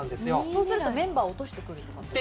そうするとメンバーを落としてくると。